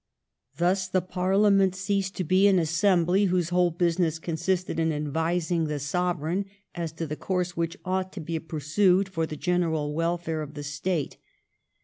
Thus the Parliament ceased to be an assembly whose whole business consisted in advising the Sovereign as to the course which ought to be pursued for the general welfare of the State.